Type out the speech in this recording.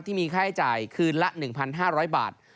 ที่มีค่าใช้จ่ายคืนละ๑๕๐๐บาท